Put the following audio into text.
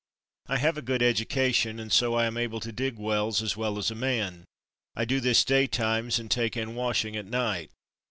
"I have a good education, and so I am able to dig wells as well as a man. I do this day times and take in washing at night.